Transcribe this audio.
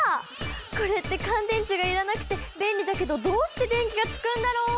これって乾電池が要らなくて便利だけどどうして電気がつくんだろう？